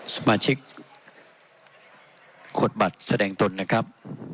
สมาชิกขดบัตรแสดงตนนะครับ